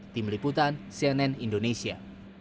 tim liputan cnn indonesia